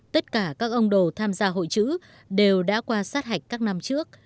tất cả các ông đồ tham gia hội chữ đều đã qua sát hạch các năm trước